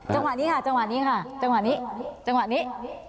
จังหวะนี้ค่ะจังหวะนี้ค่ะจังหวะนี้จังหวะนี้